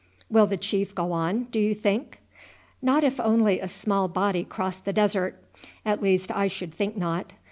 "Will the chief go on, do you think?" "Not if only a small body cross the desert. At least I should think not.